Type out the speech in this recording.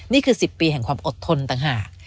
นี่คือ๑๐ปีแห่งความอดทนต่างหาก